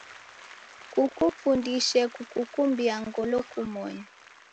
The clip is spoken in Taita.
Kukufundishe kukukumbia ngolo kumoni.